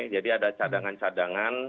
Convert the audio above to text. jadi ada cadangan cadangan